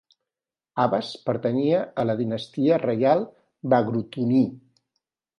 Abas pertanyia a la dinastia reial Bagratuní.